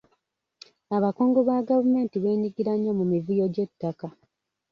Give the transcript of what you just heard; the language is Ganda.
Abakungu ba gavumenti beenyigira nnyo mu mivuyo gy'ettaka.